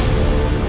aku akan menangkapmu